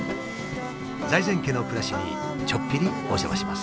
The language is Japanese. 財前家の暮らしにちょっぴりお邪魔します。